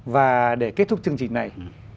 và để kết thúc chương trình này